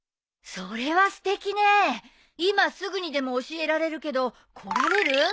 それはすてきね今すぐにでも教えられるけど来られる？